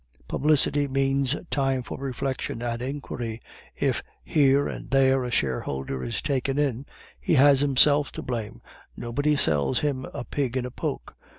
Publicity means time for reflection and inquiry. If here and there a shareholder is taken in, he has himself to blame, nobody sells him a pig in a poke.